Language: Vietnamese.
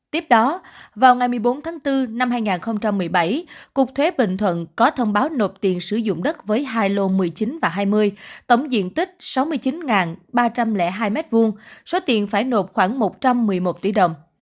tiếp đó vào ngày một mươi bốn tháng bốn năm hai nghìn một mươi bảy cục thuế bình thuận có thông báo nộp tiền sử dụng đất với hai lô một mươi chín và hai mươi tổng diện tích sáu mươi chín ba trăm linh hai m hai số tiền phải nộp khoảng một trăm một mươi một tỷ đồng